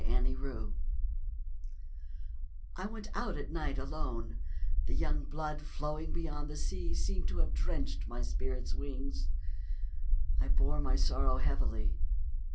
Winter Stars I went out at night alone; The young blood flowing beyond the sea Seemed to have drenched my spirit's wings I bore my sorrow heavily.